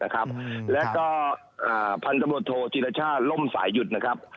ครับแล้วก็อ่าพันธุ์โทจิตชาติล่มสายหยุดนะครับ